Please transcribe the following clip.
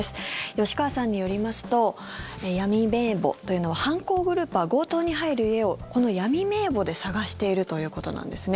吉川さんによりますと闇名簿というのは犯行グループは強盗に入る家をこの闇名簿で探しているということなんですね。